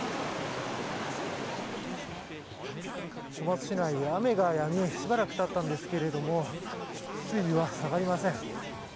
小松市内、雨がやみしばらく経ったんですが水位は下がりません。